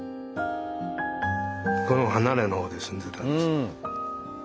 この離れの方で住んでたんです。